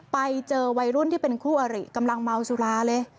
ไปเจอวัยรุ่นที่เป็นคู่อริกำลังเมาสุราเลย